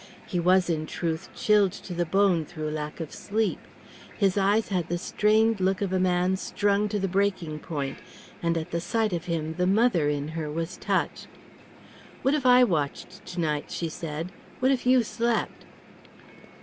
He was in truth chilled to the bone through lack of sleep; his eyes had the strained look of a man strung to the breaking point, and at the sight of him the mother in her was touched. "What if I watched to night?" she said. "What if you slept?"